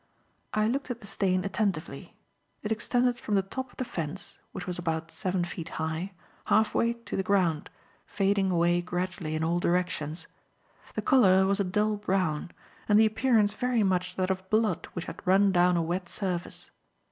I looked at the stain attentively. It extended from the top of the fence which was about seven feet high half way to the ground, fading away gradually in all directions. The colour was a dull brown, and the appearance very much that of blood which had run down a wet surface.